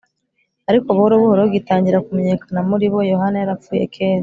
Ariko buhoro buhoro, gitangira kumenyekana muri bo (Yohana yarapfuye kera)